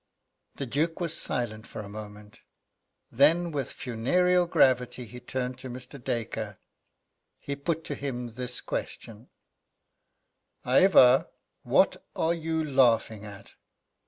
The Duke was silent for a moment. Then, with funereal gravity, he turned to Mr. Dacre. He put to him this question: "Ivor, what are you laughing at?"